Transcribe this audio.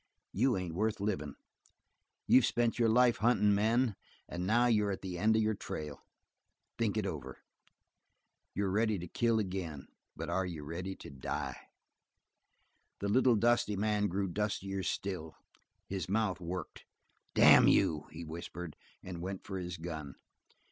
You ain't worth livin'. You've spent your life huntin' men, and now you're at the end of your trail. Think it over. You're ready to kill ag'in, but are you ready to die?" The little dusty man grew dustier still. His mouth worked. "Damn you," he whispered, and went for his gun.